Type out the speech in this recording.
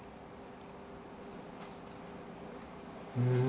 うん！